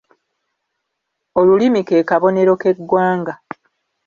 Olulimi ke kabonero k'eggwanga.